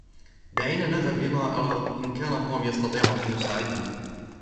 دعينا نذهب لنرى إن كان توم يستطيع أن يساعدنا.